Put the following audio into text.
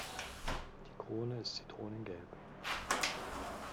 Die Krone ist zitronengelb.